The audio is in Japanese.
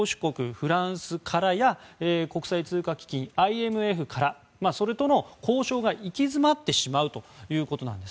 フランスからや国際通貨基金・ＩＭＦからそれとの交渉が行き詰まってしまうということなんです。